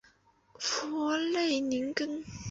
弗勒宁根。